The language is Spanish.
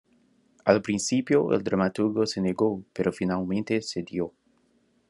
Al principio, el dramaturgo se negó, pero finalmente cedió.